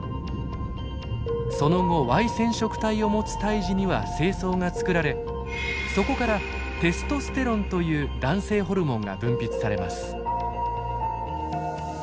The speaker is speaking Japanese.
その後Ｙ染色体を持つ胎児には精巣が作られそこからテストステロンという男性ホルモンが分泌されます。